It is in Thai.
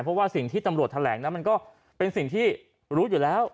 เพราะว่าสิ่งที่ตำรวจแถลงนั้นมันก็เป็นสิ่งที่รู้อยู่แล้ว